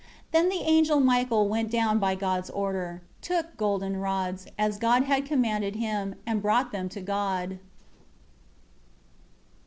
8 Then the angel Michael went down by God's order, took golden rods, as God had commanded him, and brought them to God.